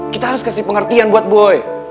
kita harus kasih pengertian buat boy